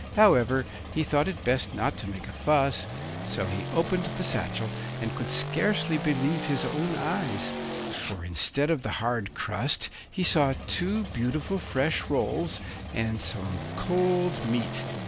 However, he thought it best not to make a fuss, so he opened the satchel, and could scarcely believe his own eyes, for, instead of the hard crust, he saw two beautiful fresh rolls and some cold meat.